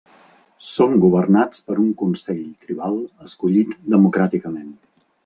Són governats per un consell tribal escollit democràticament.